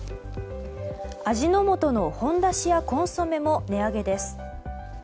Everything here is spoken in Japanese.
味の素のほんだしやコンソメも値上げです。